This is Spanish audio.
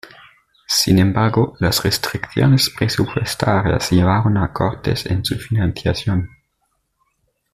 Sin embargo, las restricciones presupuestarias llevaron a cortes en su financiación.